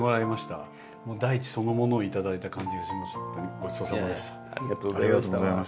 ごちそうさまです。